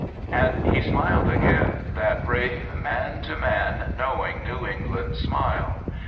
And he smiled again, that brave, man to man, knowing New England smile.